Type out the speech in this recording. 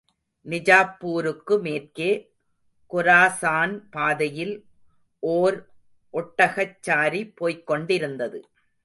நிஜாப்பூருக்கு மேற்கே, கொராசான் பாதையில் ஓர் ஒட்டகச்சாரி போய்க் கொண்டிருந்தது.